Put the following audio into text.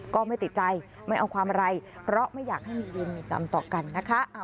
ก็ไม่ติดใจไม่เอาความอะไรเพราะไม่อยากให้มีเวรมีกรรมต่อกันนะคะ